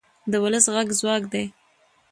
د ولس غږ ځواک دی